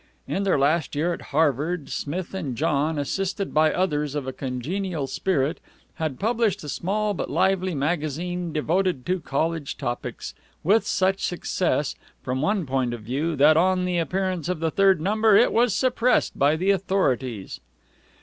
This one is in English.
"_ In their last year at Harvard, Smith and John, assisted by others of a congenial spirit, had published a small but lively magazine devoted to college topics, with such success from one point of view that on the appearance of the third number it was suppressed by the authorities.